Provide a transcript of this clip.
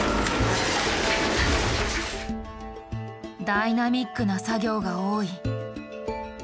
ダイナミックな作業が多い。